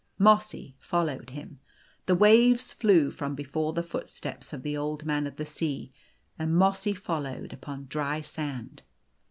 Mossy followed him. The waves flew from before the footsteps of the Old Man of the Sea, and Mossy followed upon dry sand.